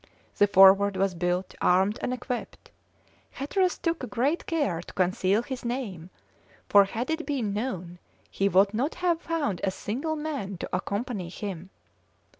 The Forward was built, armed, and equipped. Hatteras took great care to conceal his name, for had it been known he would not have found a single man to accompany him.